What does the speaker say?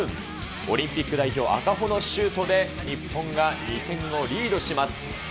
オリンピック代表、赤穂のシュートで、日本が２点をリードします。